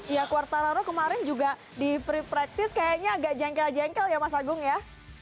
ya quartararo kemarin juga di free practice kayaknya agak jengkel jengkel ya mas agung ya